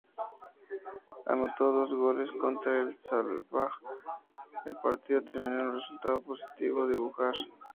Anotó dos goles contra el shabab, el partido terminó en un resultado positivo dibujar.